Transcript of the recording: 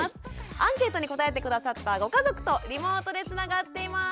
アンケートに答えて下さったご家族とリモートでつながっています。